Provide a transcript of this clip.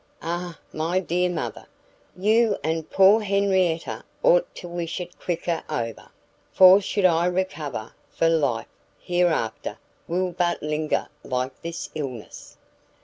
Ah, my dear mother, you and poor Henrietta ought to wish it quicker over! for should I recover, my life, hereafter, will but linger like this illness.'